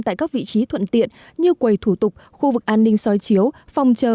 tại các vị trí thuận tiện như quầy thủ tục khu vực an ninh soi chiếu phòng chờ